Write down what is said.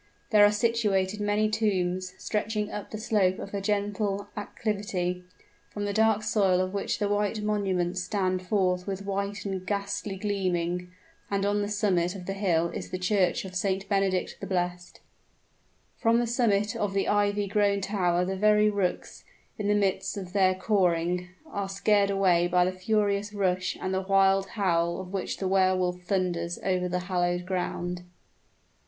There are situated many tombs, stretching up the slope of a gentle acclivity, from the dark soil of which the white monuments stand forth with white and ghastly gleaming, and on the summit of the hill is the church of St. Benedict the Blessed. From the summit of the ivy grown tower the very rooks, in the midst of their cawing, are scared away by the furious rush and the wild howl with which the Wehr Wolf thunders over the hallowed ground.